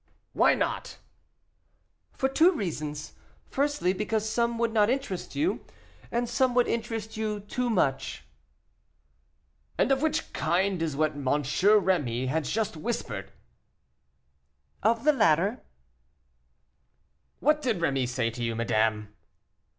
"Why not?" "For two reasons; firstly, because some would not interest you, and some would interest you too much." "And of which kind is what M. Rémy has just whispered?" "Of the latter." "What did Rémy say to you, madame?"